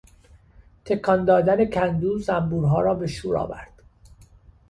تکان دادن کندو زنبورها را به شور آورد.